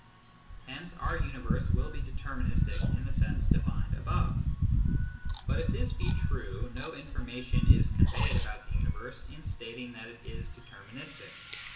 Hence our universe will be deterministic in the sense defined above. But if this be 204 MYSTICISM AND LOGIC true, no information is conveyed about the universe in stating that it is deterministic.